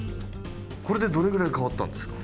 これでどれぐらい変わったんですか？